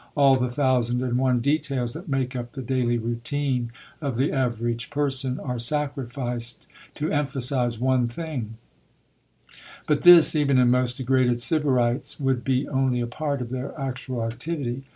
All the thousand and one details that make up the daily routine of the average person are sacrificed to emphasise one thing; but this, even in most degraded Sybarites, would be only a part of their actual activity.